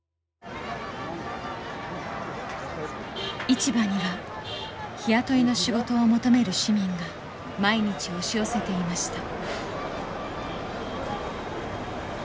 市場には日雇いの仕事を求める市民が毎日押し寄せていました。